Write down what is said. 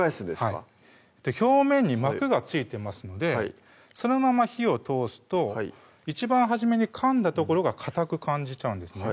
はい表面に膜が付いてますのでそのまま火を通すと一番初めにかんだ所がかたく感じちゃうんですね